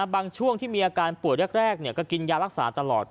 ช่วงที่มีอาการป่วยแรกก็กินยารักษาตลอด